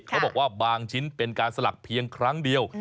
เขาบอกว่าบางชิ้นเป็นการสลักเพียงครั้งเดียว